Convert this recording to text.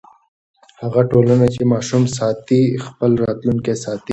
هغه ټولنه چې ماشوم ساتي، خپل راتلونکی ساتي.